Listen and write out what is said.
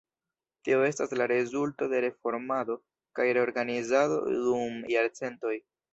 Tio estas la rezulto de reformado kaj reorganizado dum jarcentoj.